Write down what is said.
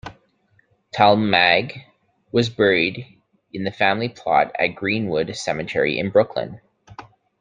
Talmage was buried in the family plot at Green-Wood Cemetery in Brooklyn.